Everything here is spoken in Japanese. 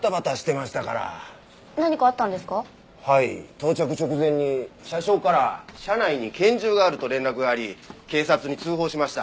到着直前に車掌から車内に拳銃があると連絡があり警察に通報しました。